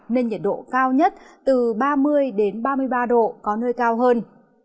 nên nhiệt độ cao nhất từ ba mươi ba mươi ba độ có nơi cao hơn